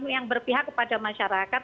yang berpihak kepada masyarakat